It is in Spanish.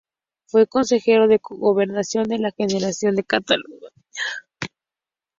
Fue Consejero de Gobernación de la Generalidad de Cataluña.